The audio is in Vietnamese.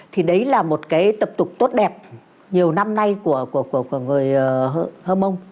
thì đấy là một cái tập tục tốt đẹp nhiều năm nay của người hơ mông